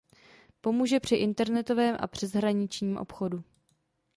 Pomůže při internetovém a přeshraničním obchodu.